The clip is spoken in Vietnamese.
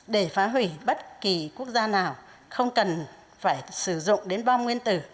để phá hủy bất kỳ quốc gia nào không cần phải sử dụng đến bom nguyên tử